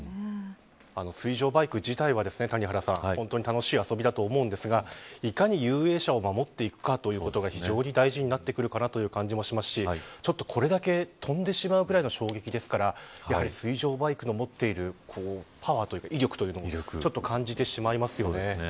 水上バイク自体は本当に楽しい遊びだと思うんですがいかに遊泳者を守っていくかということが非常に大事になってくるかなという感じもしますしこれだけ飛んでしまうくらいの衝撃ですから水上バイクの持っているパワーというか威力というものをちょっと感じてしまいますよね。